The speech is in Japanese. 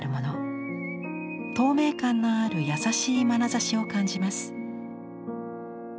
透明感のある優しいまなざしを感じます。